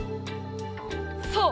そう！